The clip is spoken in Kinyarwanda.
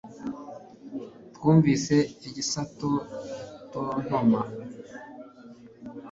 twumvise igisato gitontoma